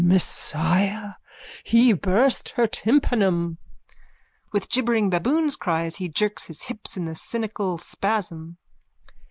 _ Messiah! He burst her tympanum. _(With gibbering baboon's cries he jerks his hips in the cynical spasm.)